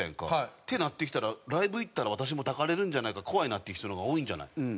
ってなってきたらライブ行ったら私も抱かれるんじゃないか怖いなっていう人の方が多いんじゃない？